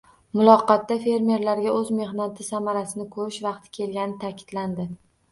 Muloqotda fermerlarga oʻz mehnati samarasini koʻrish vaqti kelgani taʼkidlandi.